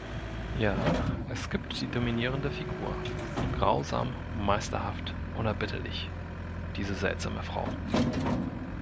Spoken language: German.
Ja, es gibt die dominierende Figur - grausam, meisterhaft, unerbittlich - diese seltsame Frau.